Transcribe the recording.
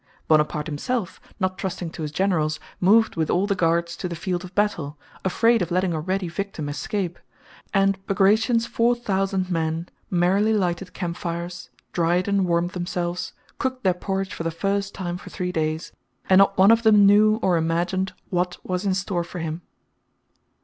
Bonaparte himself, not trusting to his generals, moved with all the Guards to the field of battle, afraid of letting a ready victim escape, and Bagratión's four thousand men merrily lighted campfires, dried and warmed themselves, cooked their porridge for the first time for three days, and not one of them knew or imagined what was in store for him.